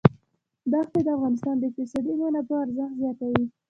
ښتې د افغانستان د اقتصادي منابعو ارزښت زیاتوي.